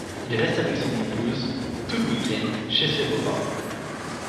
Il reste avec son épouse, tout le week-end, chez ses beaux-parents.